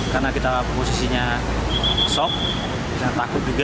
karena kita posisinya sok bisa takut juga